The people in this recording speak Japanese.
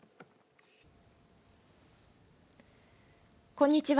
こんにちは。